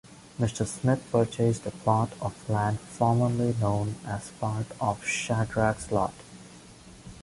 Mr. Smith purchased a plot of land formerly known as part of Shadrack's Lot.